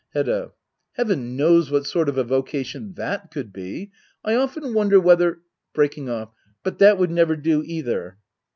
Hedda. Heaven knows what sort of a vocation that could be. I often wonder whether [Break ing off,] But that would never do either.